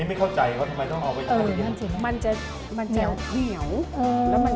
ไม่เข้าใจว่าทำไมต้องเอาไว้เย็น